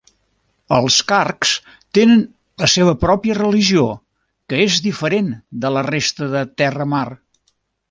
Els Kargs tenen la seva pròpia religió, que és diferent de la resta de Terramar.